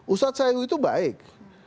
ustadz sayu itu baik